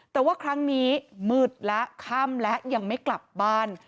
แต่ว่าครั้งนี้มืดและค่ำและยังไม่กลับบ้าน